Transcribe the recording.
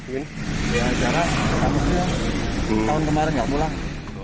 tidak jarak tahun kemarin gak pulang